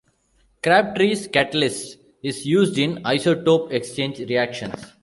Crabtree's catalyst is used in isotope exchange reactions.